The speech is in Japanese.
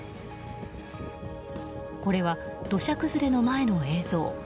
これは土砂崩れの前の映像。